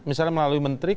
misalnya melalui menteri